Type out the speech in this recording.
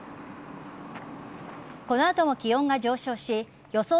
この後も気温が上昇し予想